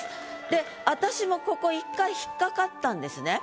で私もここ１回引っ掛かったんですね。